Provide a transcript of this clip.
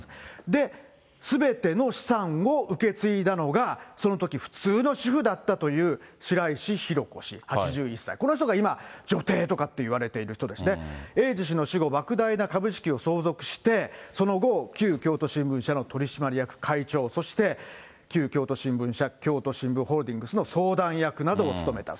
で、すべての資産を受け継いだのが、そのとき、普通の主婦だったという白石浩子氏８１歳、この人が今女帝とかっていわれている人でして、英司氏の死後、ばく大な株式を相続して、その後、旧京都新聞社の取締役会長、そして旧京都新聞社、京都新聞ホールディングスの相談役などを務めた。